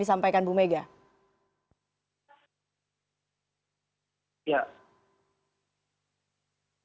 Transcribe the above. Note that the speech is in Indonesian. disampaikan ibu megawati